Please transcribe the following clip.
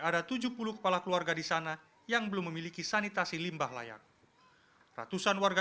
ada tujuh puluh kepala keluarga di sana yang belum memiliki sanitasi limbah layak ratusan warga